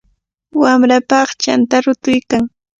Wamrapa aqchanta rutuykan.